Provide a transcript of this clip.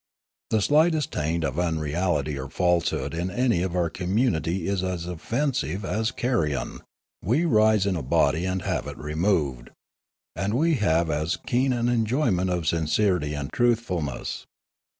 The slightest taint of unreality or falsehood in any of our community is as offensive as carrion; we rise in a body and have it removed. And we have as keen an enjoyment of sincerity and truth fulness.